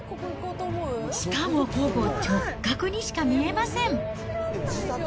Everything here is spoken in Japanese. しかも、ほぼ直角にしか見えません。